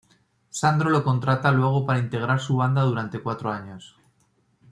Sandro lo contrata luego para integrar su banda durante cuatro años.